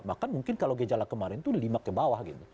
bahkan mungkin kalau gejala kemarin itu lima ke bawah gitu